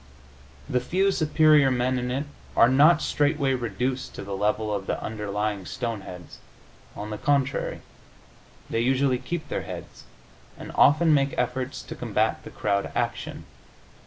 The few superior men in it are not straightway reduced to the level of the underlying stoneheads. On the contrary, they usually keep their heads, and often make efforts to combat the crowd action.